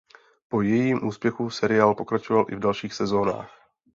Po jejím úspěchu seriál pokračoval i v dalších sezónách.